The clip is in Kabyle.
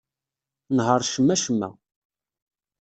Nheṛ cemma-cemma.